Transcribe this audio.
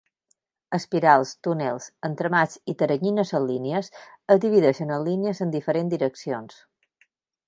Espirals, túnels, entramats i teranyines en línies es divideixen en línies en diferents direccions.